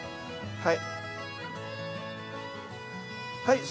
はい。